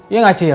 iya gak ciel